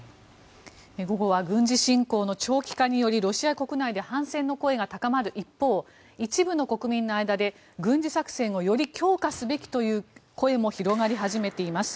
午後は軍事侵攻の長期化によりロシア国内で反戦の声が高まる一方一部の国民の間で軍事作戦をより強化すべきという声も広がり始めています。